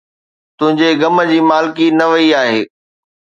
تنھنجي غم جي مالڪي نه وئي آھي